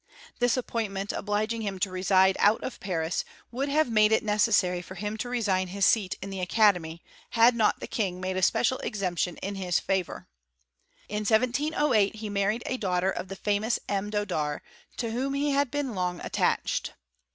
This appointment obliging him to reside out of Paris, would nave made it necessary for him to re sign his seat in the academy, had not the king made a special exemption in his favour. In 1708 he mar ried a daughter of the famous M. Dodart, to whom he had been long attached.